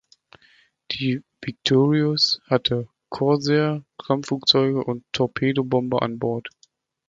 Die "Victorious" hatte Corsair Kampfflugzeuge und Torpedobomber an Bord.